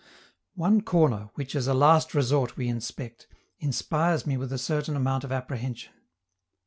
One corner, which as a last resort we inspect, inspires me with a certain amount of apprehension.